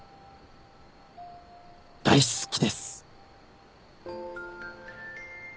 大好きです！